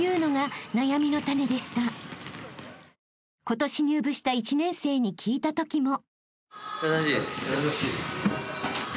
［今年入部した１年生に聞いたときも］